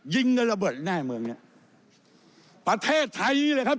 ยิ้งกันระเบิดแน่เมืองเนี้ยประเทศไทยนี้ว่าครับ